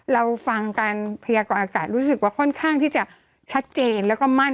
เราฟังการพยากรอากาศรู้สึกว่าค่อนข้างที่จะชัดเจนแล้วก็มั่น